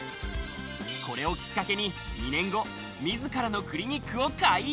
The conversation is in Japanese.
これをきっかけに２年後、自らのクリニックを開院。